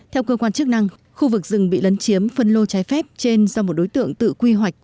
theo cơ quan chức năng khu vực rừng bị lấn chiếm phân lô trái phép trên do một đối tượng tự quy hoạch